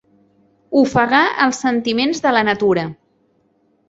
Ofegar els sentiments de la natura.